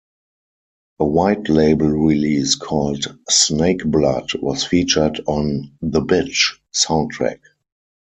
A white label release called Snakeblood was featured on The Beach soundtrack.